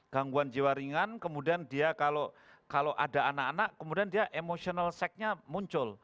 gangguan jiwa ringan kemudian dia kalau ada anak anak kemudian dia emotional check nya muncul